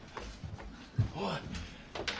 おい。